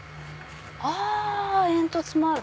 はぁ煙突もある。